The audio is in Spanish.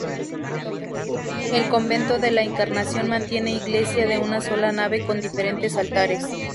El convento de la Encarnación mantiene iglesia de una sola nave con diferentes altares.